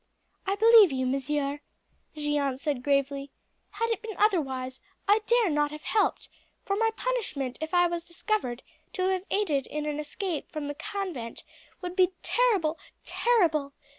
"I believe you, monsieur," Jeanne said gravely. "Had it been otherwise I dare not have helped, for my punishment if I was discovered to have aided in an escape from the convent would be terrible terrible!"